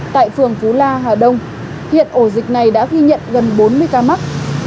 tại phường phú la hà đông hiện ổ dịch này đã ghi nhận gần bốn mươi ca mắc